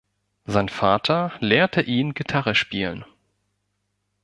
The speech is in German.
Sein Vater lehrte ihn Gitarre spielen.